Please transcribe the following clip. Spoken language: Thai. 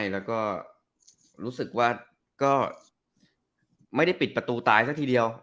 แล้วก็รู้สึกว่าก็ไม่ได้ปิดประตูตายซะทีเดียว